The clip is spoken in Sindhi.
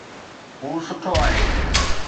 هو سٺو آهي